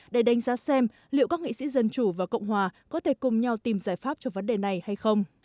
để đánh giá xem liệu các nghị sĩ dân chủ và cộng hòa có thể cùng nhau tìm giải pháp cho vấn đề này hay không